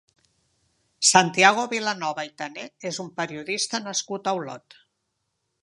Santiago Vilanova i Tané és un periodista nascut a Olot.